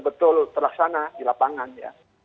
betul terlaksana di lapangan ya